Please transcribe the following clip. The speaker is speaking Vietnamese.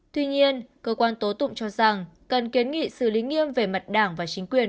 tuy nhiên cơ quan tố tụng cho rằng cần kiến nghị xử lý nghiêm về mặt đảng và chính quyền